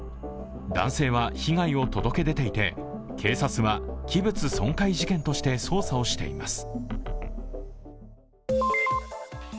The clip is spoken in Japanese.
男性は被害を届け出ていて、警察は器物損壊事件として捜査しています。